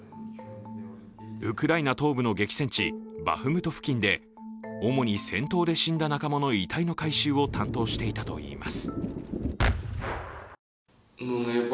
ウクライナ東部の激戦地バフムト付近で主に戦闘で死んだ仲間の遺体の回収を担当していたといいます。